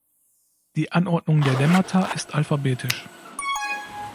Die Anordnung der Lemmata ist alphabetisch.